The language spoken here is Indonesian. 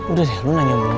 udah deh lu nanya dulu